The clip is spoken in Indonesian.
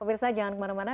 pemirsa jangan kemana mana